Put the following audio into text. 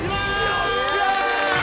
よっしゃ！